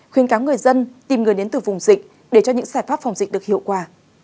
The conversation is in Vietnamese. khuyên cáo người dân tìm người đến từ vùng dịch để cho những giải pháp phòng dịch được hiệu quả